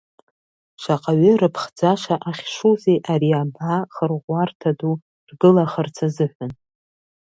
Шаҟаҩы рыԥхӡаша ахьшузеи ари абаа хырӷәӷәарҭа ду ргылахарц азыҳәан.